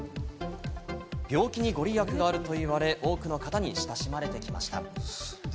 病気にご利益があるといわれ、多くの方に親しまれてきました。